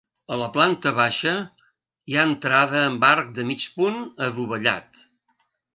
A la planta baixa, hi ha entrada amb arc de mig punt adovellat.